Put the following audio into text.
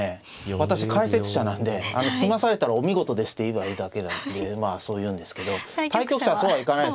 私解説者なんで詰まされたらお見事ですって言えばいいだけなんでまあそう言うんですけど対局者はそうはいかないですよね。